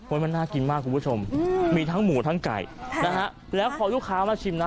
มันน่ากินมากคุณผู้ชมมีทั้งหมูทั้งไก่นะฮะแล้วพอลูกค้ามาชิมนะ